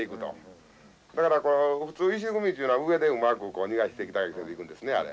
だから普通石組みっていうのは上でうまく逃がしていったりしていくんですねあれ。